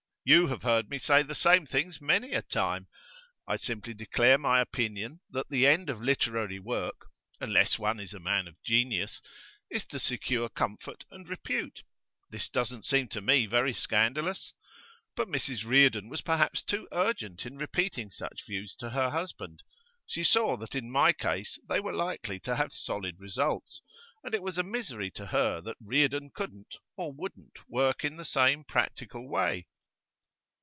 You have heard me say the same things many a time. I simply declare my opinion that the end of literary work unless one is a man of genius is to secure comfort and repute. This doesn't seem to me very scandalous. But Mrs Reardon was perhaps too urgent in repeating such views to her husband. She saw that in my case they were likely to have solid results, and it was a misery to her that Reardon couldn't or wouldn't work in the same practical way.